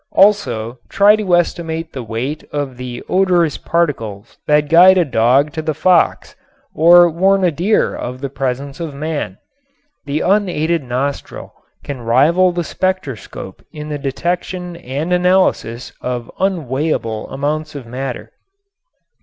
Also try to estimate the weight of the odorous particles that guide a dog to the fox or warn a deer of the presence of man. The unaided nostril can rival the spectroscope in the detection and analysis of unweighable amounts of matter.